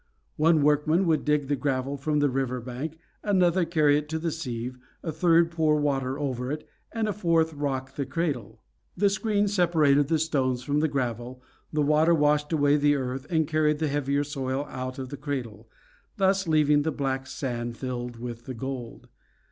One workman would dig the gravel from the river bank, another carry it to the sieve, a third pour water over it, and a fourth rock the cradle The screen separated the stones from the gravel, the water washed away the earth and carried the heavier soil out of the cradle, thus leaving the black sand filled with the gold.